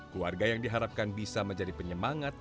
keluarga yang diharapkan bisa menjadi penyemangat